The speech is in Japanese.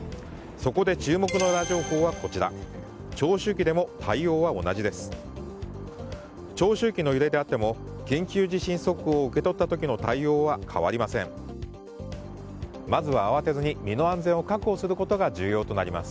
そこで注目のウラ情報はこちら長周期でも対応は同じです。